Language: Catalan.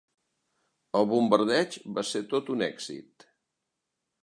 Em bombardeig va ser tot un èxit.